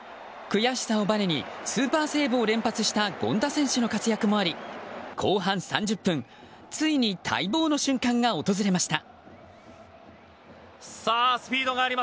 悔しさをばねにスーパーセーブを連発した権田選手の活躍もあり後半３０分、ついに待望の瞬間が訪れました。